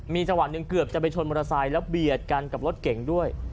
มีจังหวะหนึ่งเกือบจะไปชนมอเตอร์ไซค์แล้วเบียดกันกับรถเก่งด้วย